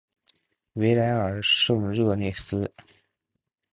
维莱尔圣热内斯。